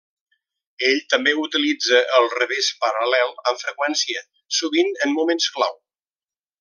Ell també utilitza el revés paral·lel amb freqüència, sovint en moments clau.